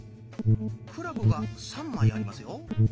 クラブが３枚ありますよ。